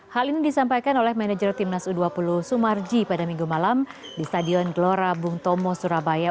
hal ini disampaikan oleh manajer timnas u dua puluh sumarji pada minggu malam di stadion gelora bung tomo surabaya